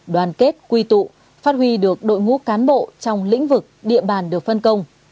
đoàn kết quy tụ phát huy được đội ngũ cán bộ trong lĩnh vực địa bàn được phân công